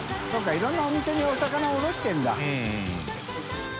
いろんなお店にお魚卸してるんだ。